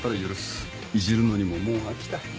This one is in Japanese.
いじるのにももう飽きた。